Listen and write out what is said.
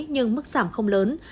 nhưng mức giảm không lớn